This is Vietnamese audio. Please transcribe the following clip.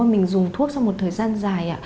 mình dùng thuốc trong một thời gian dài